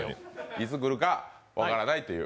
いつ来るか分からないという。